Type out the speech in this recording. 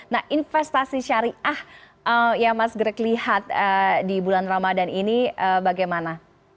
nah investasi syariah yang mas greg lihat di bulan ramadan ini bagaimana